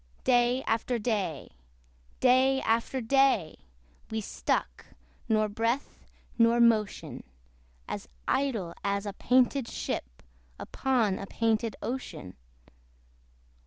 Day after day, day after day, We stuck, nor breath nor motion; As idle as a painted ship Upon a painted ocean.